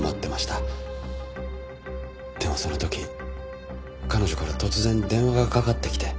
でもその時彼女から突然電話がかかってきて。